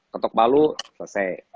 ketok baluh selesai